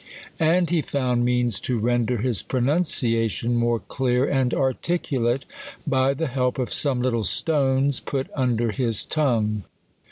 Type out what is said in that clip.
And he found means to ren der his pronunciation more clear and articulate, by the help of some little stones put under his tongue.